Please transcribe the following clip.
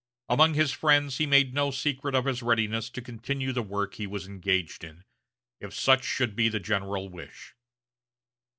Among his friends he made no secret of his readiness to continue the work he was engaged in, if such should be the general wish.